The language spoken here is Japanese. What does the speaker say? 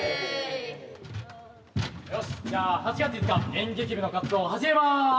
よしじゃあ８月５日演劇部の活動を始めます。